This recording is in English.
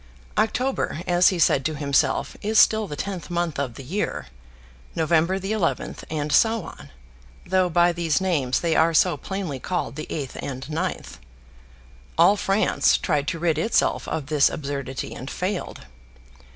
October, as he said to himself, is still the tenth month of the year, November the eleventh, and so on, though by these names they are so plainly called the eighth and ninth. All France tried to rid itself of this absurdity, and failed.